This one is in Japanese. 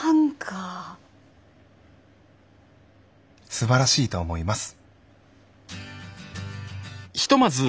すばらしいと思います。